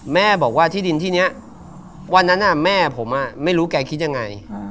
แม่บอกว่าที่ดินที่นี้วันนั้นแม่ผมไม่รู้แกคิดยังไง